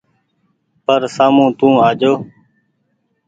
پر سآمو تو آجو ۔